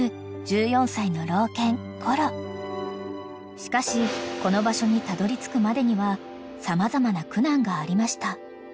［しかしこの場所にたどりつくまでには様々な苦難がありました］